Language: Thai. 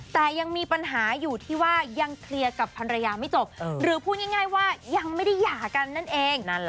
แต่ยังมีปัญหาอยู่ที่ว่ายังเคลียร์กับภรรยาไม่จบหรือพูดง่ายว่ายังไม่ได้หย่ากันนั่นเอง